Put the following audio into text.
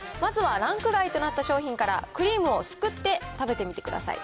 ランク外となった商品から、クリームをすくって食べてみてください。